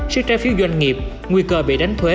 sức trái phiếu doanh nghiệp nguy cơ bị đánh thuế